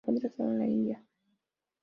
Se encuentra sólo en la India.